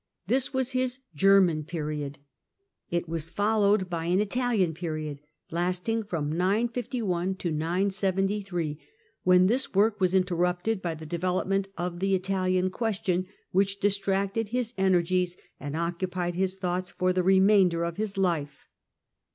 This was his " German period." It was followed by an " Italian period," lasting from 951 to 973, when this work was interrupted by the development of the Italian question, which distracted his energies and occupied his thoughts for the remainder of his life.